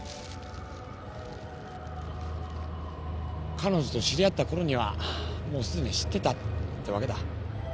彼女と知り合ったころにはもうすでに知ってたってわけだ。